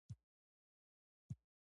تدريسي پلان يو منظم او منسجمه طرحه ده،